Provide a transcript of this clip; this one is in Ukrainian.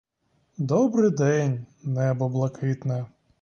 Добрий день, небо блакитне!